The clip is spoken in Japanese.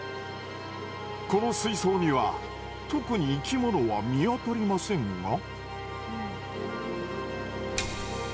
この水槽には特に生き物は見当たりませんが。